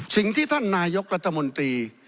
สิ่งที่ท่านนายกรัฐมนตรี